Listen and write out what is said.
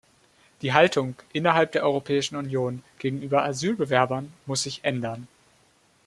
Die Haltung innerhalb der Europäischen Union gegenüber Asylbewerbern muss sich ändern.